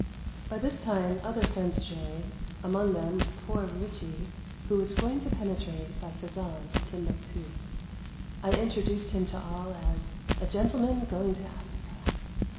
By this time other friends joined — among them, poor Ritchie, who was going to penetrate by Fezauin to Timbue too. I introduced him to all as *' a gentleman going to Af riea."